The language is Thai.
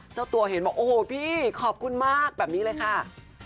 เจ้าตัวเห็นบอกโอ้โหพี่ขอบคุณมากแบบนี้เลยค่ะ